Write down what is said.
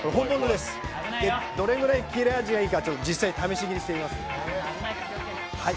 どれぐらい切れ味がいいか実際に試し切りしてみます。